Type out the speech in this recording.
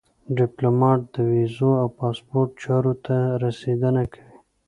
ډيپلومات د ویزو او پاسپورټ چارو ته رسېدنه کوي.